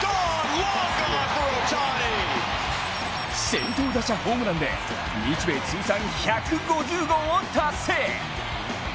先頭打者ホームランで日米通算１５０号を達成！